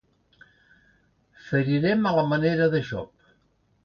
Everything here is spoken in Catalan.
Ferirem a la manera de Job.